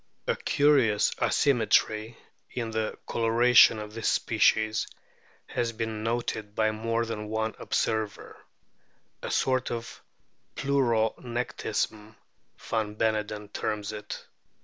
A curious asymmetry in the coloration of this species has been noted by more than one observer " a sort of pleuronectism," van Beneden terms it.